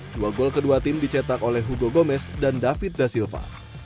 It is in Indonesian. dua gol kedua tim dicetak oleh hugo gomez dan david da silva